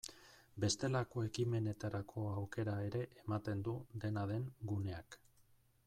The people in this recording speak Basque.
Bestelako ekimenetarako aukera ere ematen du, dena den, guneak.